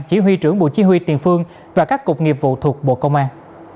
chỉ huy trưởng bộ chí huy tiền phương và các cục nghiệp vụ thuộc bộ công an